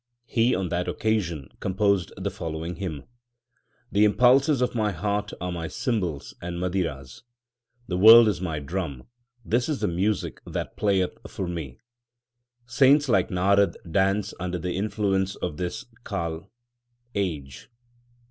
He on that occasion com posed the following hymn : The impulses of my heart are my cymbals and madiras. 2 The world is my drum ; this is the music that playeth for me. Saints like Narad dance under the influence of this Kal age.